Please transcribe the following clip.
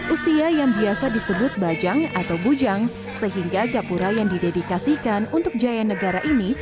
usia yang biasa disebut bajang atau bujang sehingga gapura yang didedikasikan untuk jaya negara ini